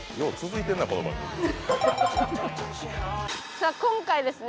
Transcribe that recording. さあ今回ですね